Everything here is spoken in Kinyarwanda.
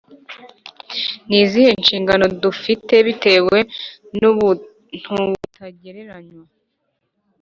Ni izihe nshingano dufite bitewe n’ubuntubutagereranywa